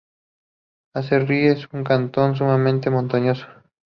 Aserrí es un cantón sumamente montañoso.